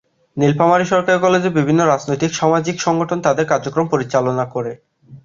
নীলফামারী সরকারি কলেজে বিভিন্ন রাজনৈতিক সামাজিক সংগঠন তাদের কার্যক্রম পরিচালনা করে।